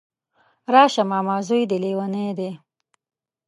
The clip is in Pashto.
راشه ماما ځوی دی ليونی دی